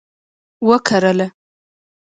وکرله